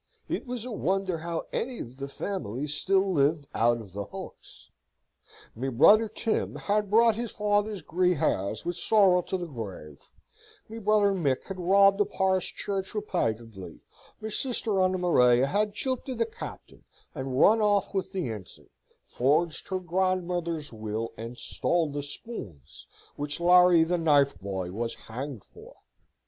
It was a wonder how any of the family still lived out of the hulks. Me brother Tim had brought his fawther's gree hairs with sorrow to the greeve; me brother Mick had robbed the par'sh church repaytedly; me sisther Annamaroia had jilted the Captain and run off with the Ensign, forged her grandmother's will, and stole the spoons, which Larry the knife boy was hanged for.